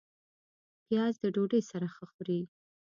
پیاز د ډوډۍ سره ښه خوري